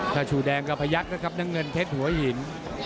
ถ้าชูแดงก็พยักษ์นะครับน้ำเงินเพชรหัวหิน